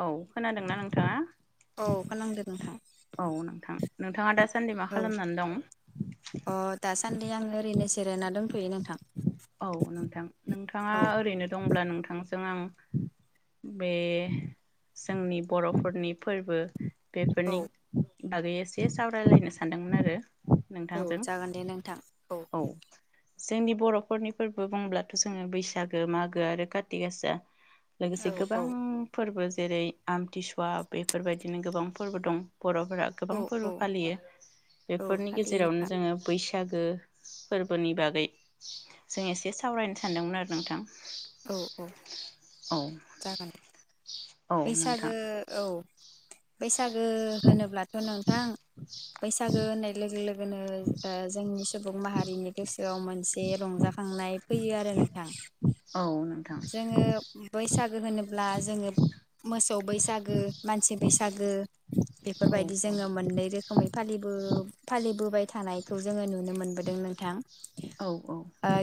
औ खोनादोंना नोंथाङा? औ खोनादों नोंथां। औ नोंथां नोंथाङा दासान्दि मा औ खालामनानै दं नै आं ओरैनो जि औ नोंथां नोंथाङा औ ओरैनो दं होमब्ला नोंथांजों आं बे जोंनि बर'फोरनि फोरबो औ बेफोरनि। बागै एसे सावरायलायनो सानदोंमोन आरो। औ नोंथांजों जागोन दे नोंथां औ। जोंनि बर'फोरनि फोरबो बुंब्लाथ' जोङो बैसागो मागो आरो काति गासा। लोगोसे औ गोबां औ फोरबो। जेरै आमथिसुवा बेफोर बायदिनो गोबां फोरबो दं। बर'फोरा गोबां औ फोरबो औ फालियो औ बेफोरनि फालियो गेजेरावनो नोंथां जोङो बैसा बैसागो फोरबो। बागै जों एसे सावरायनो सानदोंमोन आरो नोंथां। औ औ औ। जागोन दे औ नोंथां बैसागो औ। [inaudible] बैसागो होनोब्लाथ' नोंथां बैसागो होननाय लोगो लोगो जोंनि सुबुं माहारिनि गोसोआव मोनसे रंजाखांनाय फैयो आरो नोंथां। औ। नोंथां। जोङो बैसागो होनोब्ला जोङो मोसौ बैसागो, मानसि बैसागो बेफोर बायदि जोङो औ मोननै रोखोम रोखोमै फालि फालिबोबाय थानायखौ जोङो नुनो मोनबोदों नोंथां। औ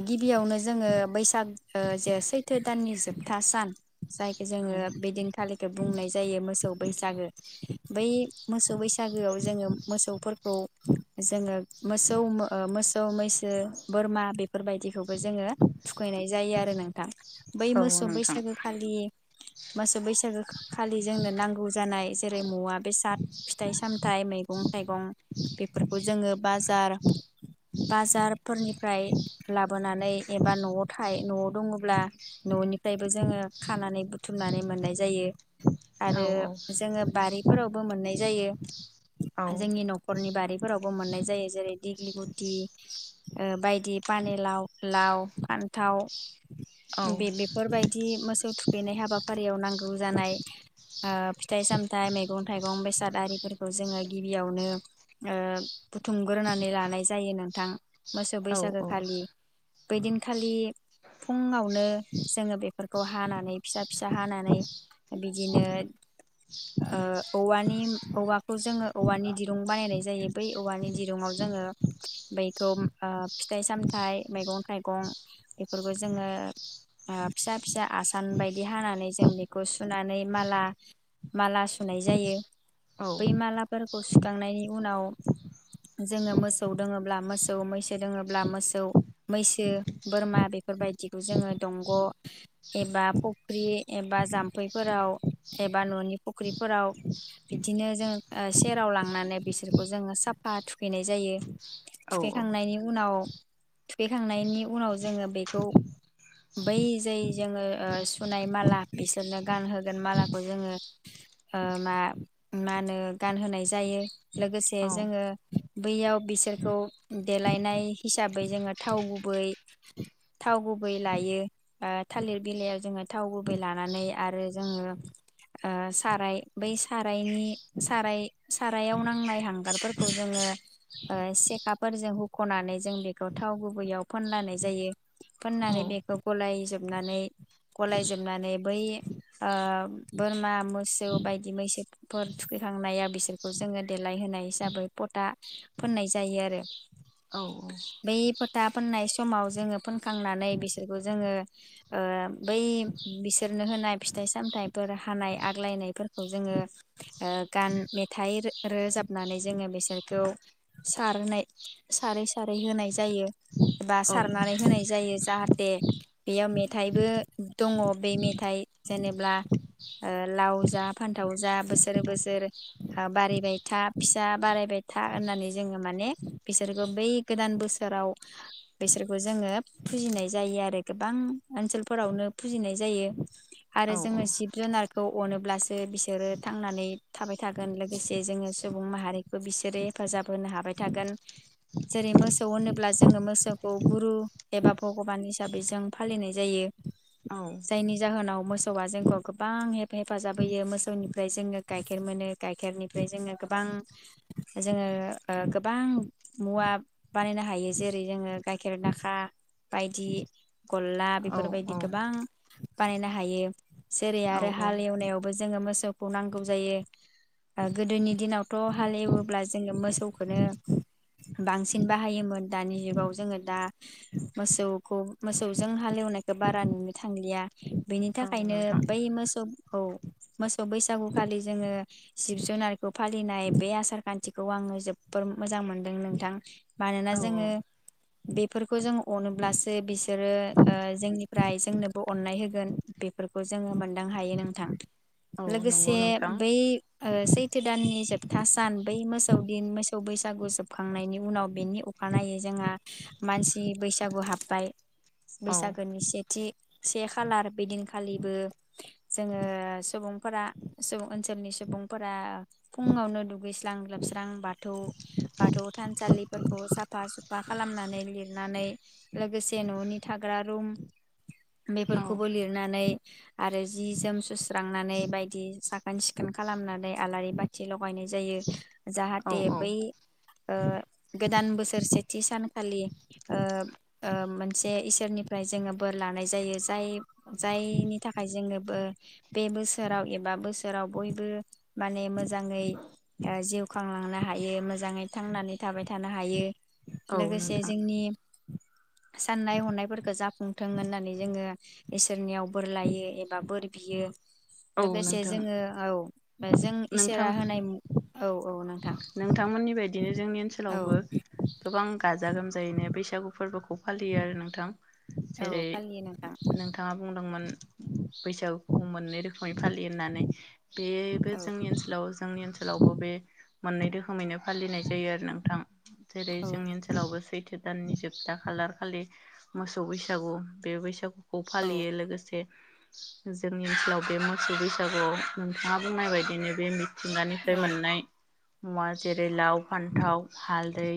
गिबियावनो जोङो बैसागो [unintelligible] चैत्र दाननि जोबथा सान। जायखौ औ जोङो बिदिनखालिखौ बुंनाय जायो मोसौ बैसागो बै मोसौ बैसागो। गोआव जोङो मोसौफोरखौ जोङो मोसौ मो मैसो बोरमा बेफोर बायदिखौबो जोङो थुखैनाय जायो आरो नोंथां। बै औ मोसौ नोंथां बैसागो खालि। मोसौ बैसागो खालि जोंनो नांगौ जानाय जेरै मुवा बेसाद फिथाइ-सामथाइ मैगं थाइगं बेफोरखौ जोङो बाजार-बाजारफोरनिफ्राय लाबोनानै एबा न'आव थाय न'आव दङब्ला। न'निफ्रायबो जोङो खानानै बुथुमनानै मोननाय जायो औ आरो जोङो बारिफोरावबो मोननाय जायो। औ जोंनि न'खरनि बारि फोरावबो मोननाय जायो जेरै दिग्लि गुटि ओ बायदि पानिलाव लाव, फान्थाव औ बे-बेफोरबायदि मोसौ थुखैनाय हाबाफारियाव नांगौ जानाय ओ फिथाइ सामथाइ मैगं थाइगं बेसाद आरि फोरखौ जोङो गिबियावनो ओ बुथुमग्रोनानै लानाय जायो नोंथां। मोसौ औ बैसागो खालि बैदिनखालि फुंङाव नो जोङो बेफोरखौ हानानै फिसा फिसा हानानै बिदिनो ओ औवानि औवाखौ जोङो औवानि दिरुं बानायनाय जायो बै औवानि दिरुङाव जोङो बैखौ ओ फिथाइ-सामथाइ मैगं थाइगं बेफोरखौ जोङो ओ फिसा फिसा आसान बायदि हानानै जों बे खौ सु नानै माला माला सु नाय जायो बै मालाफोरखौ सुखांनायनि उनाव जोङो मोसौ दङ' ब्ला मोसौ मैसो दोङोब्ला मोसौ मैसो बोरमा बेफोरबायदिखौ जोङो दंग' एबा फख्रि एबा जाम्फै फोराव एबा न'नि फुख्रिफोराव बिदिनो जों ओ सेराव लांनानै बिसोरखौ जोङो साब फा थुखैनाय जायो। औ थुखैखांनायनि उनाव थुखैखांनायनि उनाव जोङो बेखौ बै जै जोङो ओ सुनाय माला बिसोरनो गानहोगोन मालाखौ जोङो ओ मा मानो गानहोनाय जायो। लोगोसे जोङो बैयाव बिसोरखौ देलायनाय हिसाबै जोङो थाव गुबै थाव गुबै लायो आ थालिर बिलाइयाव जोङो थाव गुबै लानानै आरो जोङो ओ साराय बै सारायनि साराय सारायाव नांनाय हांगारफोरखौ जोङो ओ सेखाफोरजों हुख'नानै जों बेखौ थाव गुबैयाव फोननानै जायो फोननानै खौ गलायजोबनानै गलायजोबनानै बै ओ बोरमा मोसौ बायदि मैसोफोर थुखैखांनाया बिसोरखौ जोङो देलायहोनाय हिसाबै पता फोननाय जायो आरो औ-औ दा पोननाय समाव जोङो फोनखांनानै बिस [unintelligible] जोङो ओ बै बिसोरनो होनाय फिथाइ -सामथाइफोर हानाय आग्लायनायफोरखौ जोङो ओ गान मेथाइ रो-रोजाबनानै जोङो बिसोरखौ सारहोनाय सारै-सारै होनाय ज जायो बा सार ए बेयाव मेथाइबो दङ' बे मेथाइ जेनेब्ला ओ लाव जा फान्थाव जा बोसोरो बोसोर हा बारिबायथा फि फिसा बारायबाय था होननानै जोङो माने बिसोरखौ बै गोदान बोसोराव बिसोरखौ जोङो फुजिनाय जायो आरो गोबां ओनसोलफोरावनो फुजिनाय जायो। आरो जोङो जिब- जुनारखौ अनोब्लासो बिसोरो थांनानै थाबाय थागोन लोगोसे जोङो सुबुं माहारिखौ बिसोरो हेफाजाब होनो हाबाय थागोन जेरै मोसौ होनोब ला जोङो मोसौखौ गुरु एबा भ गबान हिसाबै जों फालिनाय जायो। जायनि जाहोनाव मोसौआ जोंखौ गोबां हेफ-हेफाजाब होयो मोसौनिफ्राय जोङो गाइखेर मोनो गाइखेरनिफ्राय जोङो गोबां जोङो ओ गोबां मुवा बानायनो हायो जेरै जोङो गाइखेर दाखा। बायदि गल्ला बेफोरबायदि गोबां बानायनो हायो जेरै आरो हाल एवनायावबो ज जोङो मोसौखौ नांगौ जायो ओ गोदोनि दिनावथ' हाल एवोब्ला जोङो मोसौखौनो बांसिन बाहायोमोन दानि जुगाव जोङो दा मोसौखौ मोसौजों हालेवनायखौ बारा नुनो थांलिया। बेनि थाखायनो नोंथां बै मोसौ खौ मोसौ बैसागुखालि जोङो जिब- जुनारखौ फालिनाय बे आसार खान्थिखौ आङो जोब्बोर मोजां मोनदों नोंथां मानोना औ जोङो बेफोरखौ जों अनोब्लासो बिस सोरो ओ जोंनिफ्राय जोंनोबो अननाय होग गोन बेफोरखौ ज जोङो मोनदां हायो नोंथां औ लोगोसे नंगौ नोंथां बै ओ सैथो दाननि जोबथा सान बै मोसौ दिन मोसौ बैस सागु जोबखांनायनि उनाव बेनि अखानायै जोंहा मानसि बैस सागु हाबबाय औ बैसागोनि सेथि से खालार बेदिनखालिबो जोङो सुबुंफोरा सोबुं ओनसोलनि सुबुंफोरा फुंआवनो दुगैस्रां लोबस्रां बाथ थौ बाथौ थानसालिफोरखौ साफा सुफा खालामनानै लिरनानै लोगोसे न'नि थाग्रा रुम औ बेफोरखौबो लिरनानै आरो जि जोम सुस्रांनानै बायदि साखोन सिखोन खालामनानै आलारि बाथि लगायनाय जायो। औ जाहाथे बै ओ गोदान बोसोर सेथि सानखालि ओ ओ मोनसे इसोरनिफ्राय जोंङो बोर लानाय जायो जाय जायनि थाखाय जोंङोबो बे बोसोराव एबा बोसोराव बयबो माने मोजाङै जिउ ओ खांलांनो हायो मोजाङै थांनानै थाबाय थानो हायो। औ लोगोसे नोंथां जोंनि [inaudible] साननाय हनायफोरखौ जाफुंथों होननानै जोंङो इसोरनियाव बोर लायो एबा बोर बियो। औ लोगोसे नोंथां जोङो औ जों नोंथां इसोरा होनाय औ औ नोंथां नोंथांमोननि बायदिनो जोंनि औ ओनसोलावबो गोबां गाजा गोमजायैनो बैसागु फोरबोखौ फालियो आरो नोंथां। औ जेरै फालियो नोंथां नोंथाङा बुंदोंमोन बैसागुखौ मोननै रो सय फालि होननानै। बेबो औ जोंनि ओनसोलाव जोंनि ओनसोलावबो बे मोननै रोखोमैनो फालिनाय जायो आरो नोंथां। जेरै औ जोंनि ओनसोलावबो सैथो दाननि जोबथा खालार खालि मोसौ बैसागु बे बैसागु खौ औ फालियो लोगोसे जोंनि ओनसोलाव बे मोसौ बैसागुआव नोंथाङा बुंनाय बायदिनो बे मिथिंगानिफ्राय औ मोननाय मुवा जेरै लाव फान्थाव हालदै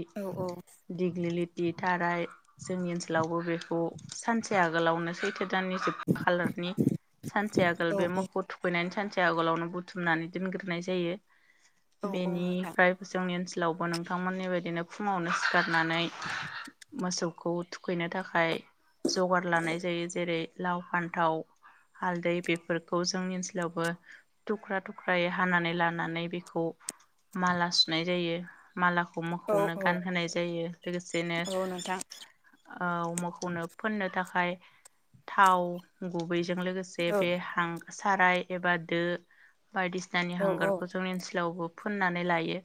दिगलिलि ति थाराय जोंनि ओनसोलावबो बेखौ सानसे आगोलावनोसै दाननि जोबथा खालारनि सानसेया औ बे मोखौ थुखै नायनि सानसेया आगोलावनो बुथुमनानै दोनग्रोनाय जायो। बेनिफ्राय जोंनि ओन सोलावबो नोंथांमोननि बायदिनो फुंङावनो सिखारनानै मोसौखौ थुखैनो थाखाय जगार लानाय जायो जेरै लाव फान्थाव हालदै बे फोरखौ जोंनि ओनसोलावबो थुख्रा-थुख्रायै हानानै लानानै बेखौ माला सुनाय जायो। मालाखौ औ नोंथां औ मोखौनो गानहोनाय जायो लोगोसेनो औ नोंथां औ मोखौनो फोननो थाखाय थाव गुबै जों लोगोसे औ बे हा साराय एबा दो बायदिसिनानि औ औ हांगारखौ जोंनि ओनसोलावबो फोननानै लायो।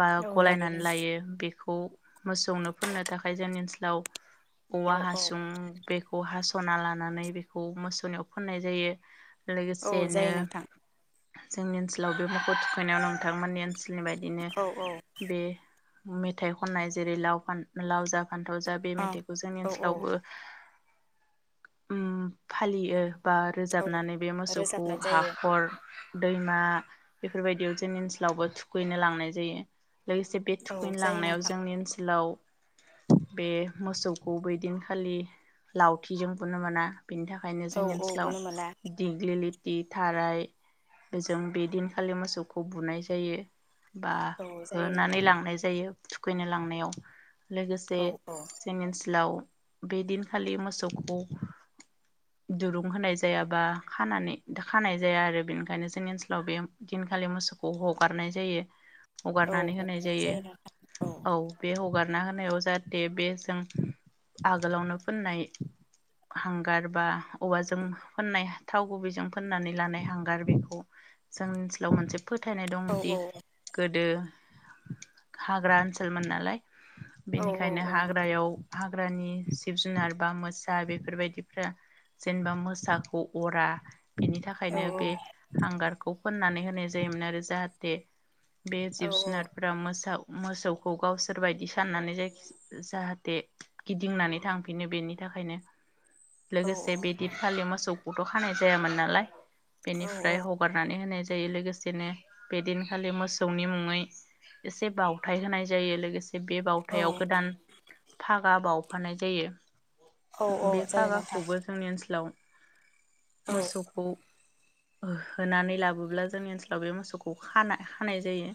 बा औ गलायनानै नोंथां लायो बेख खौ मोसौनो फोननो थाखाय जोंनि ओनसोलाव औ औवा हासुं बेखौ हास' हना लानानै बेखौ मोसौनियाव फोननाय जायो। औ लोगोसेनो जायो नोंथां जोंनि ओनसोलाव बे मोखौ थुखैनायाव नोंथांमोननि ओन सोलनि बायदिनो औ औ बे मेथाइ खननाय जेरै लाव, फान, ‌लाव जा फान्थाव जा बे अ मेथाइखौ जोंनि औ औ ओनसोलावबो उम फालियो बा रोज औ होननानै बे मोसौखौ रोजाबनाय जायो हाखर दैमा बेफोरबायदियाव जोंनि ओनसोलावबो थुखैनो लांनाय जायो। लोगोसे बे औ थुखैनो जायो लांनायाव नोंथां जोंनि ओनसोलाव बे मोसौखौ बै दिन खालि लावथिजों बुनो मोना। बिनि थाखायनो औ जोंनि औ ओनसोलाव बोनो मोना दिग्लिलिथि, थाराय बेजों बे दिनखालि मोसौखौ बुनाय जायो। बा औ जायो होनानै नोंथां लांनाय जायो। थुखैनो लांनायाव लोगोसे औ औ जोंनि ओनसोलाव बे दिनखालि मोसौखौ दुरुं होनाय जाया। बा खानानै खानाय जाया आरो बेनिखायनो जोंनि ओनसोलाव बे दिनखालि मोसौखौ हगारनाय जायो। औ हगारनानै होनाय हगारनाय जायो नोंथां औ बे हगार ना होनायाव जाहाथे बे जों आगोलावनो फोननाय हांगार बा औवाजों फोननाय थाव गुबैजों फोननानै लानाय हांगार बेखौ जों ओनसोलाव मोनसे फोथायनाय औ दंदि गोदो हाग्रा ओनसोलमोन नालाय। औ बेनिखायनो हाग्रायाव हाग्रानि जिब जुनार बा मोसा बेफोरबायदिफ्रा जेनबा मोसा खौ अरा बेनि औ थाखायनो बे हांगार बेखौ फोननानै होनाय जायोमोन आरो जाहाथे बे औ जिब जुनारफोरा मोसौ मोसौखौ गावसोरबायायदि साननानै ज जाहाथे गिदिंनानै थांफिनो बेनि थाखायनो औ लोगोसे बेदित फालें मसौ बथ' खानाय जायामोन नालाय औ बेनिफ्राय हगारनानै होनाय जायो। जायो लोगोसेनो बेदिनखालि मोसौनि मुङै एसे बावथाय होनाय जायो लोगोसे जे बे बावथायाव गोदान फागा बाव हखानाय जायो। औ बे जायो नोंथां फागाखौबो जोंनि ओनसोलाव औ मोसौखौ होनानै लाबोब्ला जोंनि ओनसोलाव बे मोसौखौ ख खानाय जायो।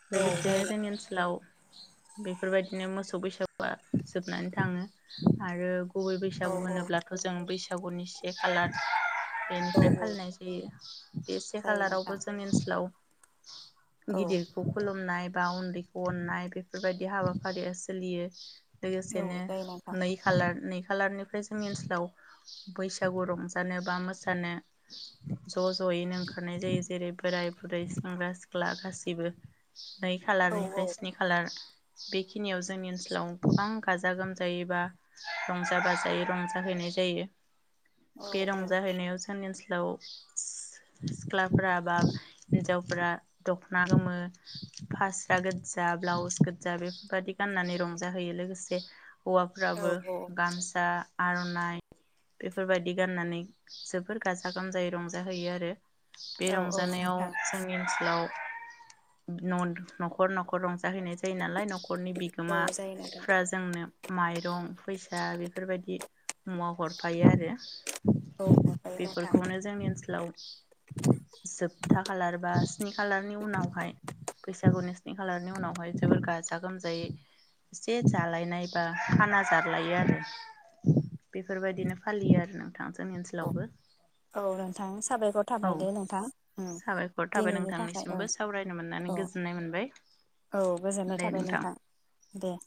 औ लोगोसेनो जायो जोंनि ओनसोलाव बेफोरबायदिनो मोसौ बैसागुआ जोबनानै थाङो आरो। गुबै औ बैसागु होनोब्लाथ' जों बैसागु थागौनि [inaudible] औ बेनिफ्राय औ फालिनाय जायो। [inaudible] बे से जायो नोंथां खालारावबो जोंनि ओनसोलाव औ गिदिरखौ खुलुमनाय बा उन्दैखौ अननाय बेफोरबायदि हाबाफारिया सोलियो। औ लोगोसेनो जायो नोंथां नै खालार नै खालारनिफ्राय जोंनि ओनसोलाव बै बैसागु रंजानो बा मोसानो ज' ज'यैनो ओंखारनाय जायो जेरै बोराइ बुरै सेंग्रा सिख्ला गासैबो नै औ खालारनिफ्राय स्नि खालार बेखिनियाव जोंनि ओनसोलाव गोबां गाजा गोमजायै बा रंजा बाजायै रंजाहैनाय जायो। औ बे रंजाहैनायाव [inaudible] सिख्लाफोरा बा हिन्जावफोरा दख'ना गोमो फास्रा गोजा ब्लाउस गोजा बेफोरबाददि गाननानै रंजाहोयो लोगोसे औ हौवाफ्राबो गामसा आर'नाइ बे बेफोरबायदि गाननानै जोबोर गाजा गोमजायै रंजाहैयो आरो। बे औ औ रंजानायाव नोंथां जोंनि ओनसोलाव न'खर न'खर रंजाहैनाय‌ जायो जायो नालाय न'खरनि औ जायो नोंथां बिगोमाफ्रा जोंनो माइरं फैसा बेफोरबायदि मुवा हरफायो आरो इस औ जायो नोंथां बेफोरखौनो जोंनि ओनसोलाव जोबथा खालार बा स्नि खालारनि उनावहाय बैसागुनि स्नि खालारनि उनावहाय जोबोर गाजा गोमजायै एसे जालायनाय बा खाना जालायो आरो बेफोरबायदिनो फालियो आरो ना औ औ नोंथां साबायखर औ थाबाय दे नोंथां साबायखर थाबाय दिनैनि थाखाय औ नोंथांनिसिमबो सावरायनो मोननानै औ गोजोननाय मोनबाय औ गोजोननाय थाबाय नोंथां दे